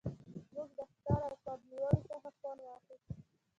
موږ د ښکار او کب نیولو څخه خوند واخیست